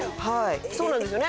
そうなんですよね？